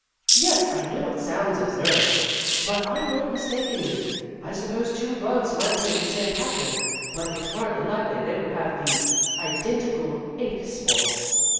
"Yes, I know it sounds absurd, but I'm not mistaken, Ruth. I suppose two rugs might be of the same pattern, but it's hardly likely they would have the identical ink spots.